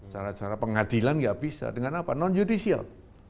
cara cara pengadilan tidak bisa dengan apa non yudisial